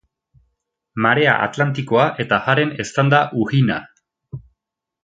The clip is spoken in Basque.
Marea Atlantikoa eta haren eztanda-uhina.